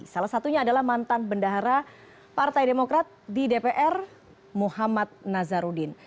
salah satunya adalah mantan bendahara partai demokrat di dpr muhammad nazarudin